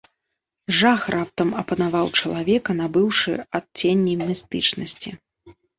Жах раптам апанаваў чалавека, набыўшы адценні містычнасці.